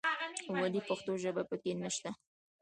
ولې پښتو ژبه په کې نه شته.